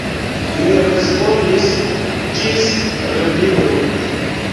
Mi respondis: «Ĝis revido! »